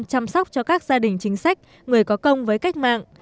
chăm sóc cho các gia đình chính sách người có công với cách mạng